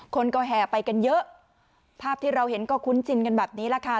คนก็แห่ไปกันเยอะภาพที่เราเห็นก็คุ้นชินกันแบบนี้แหละค่ะ